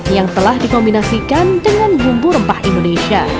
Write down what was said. yang telah dikombinasikan dengan bumbu rempah indonesia